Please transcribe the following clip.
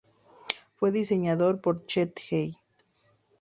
Fue diseñado por Chet Heath.